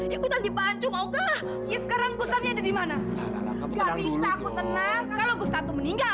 ikutan dipancung oke sekarang kusamanya dimana nggak bisa aku tenang kalau gustaf meninggal